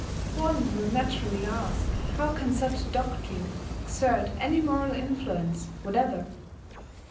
One will naturally ask how can such a doctrine exert any moral influence whatever?